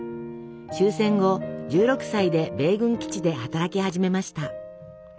終戦後１６歳で米軍基地で働き始めました。